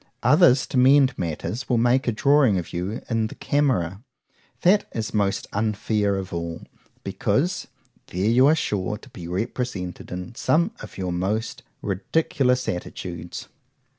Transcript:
Others, to mend the matter, will make a drawing of you in the Camera;—that is most unfair of all, because, there you are sure to be represented in some of your most ridiculous attitudes.